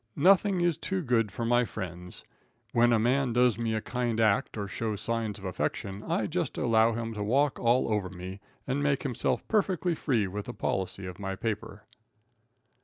Nothing is too good for my friends. When a man does me a kind act or shows signs of affection, I just allow him to walk all over me and make himself perfectly free with the policy of my paper.